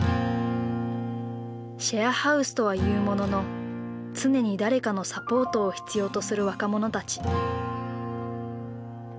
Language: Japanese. シェアハウスとはいうものの常に誰かのサポートを必要とする若者たち。